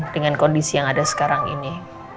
dengan kondisi yang ada sekarang ini